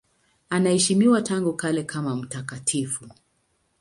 Anaheshimiwa tangu kale kama mtakatifu.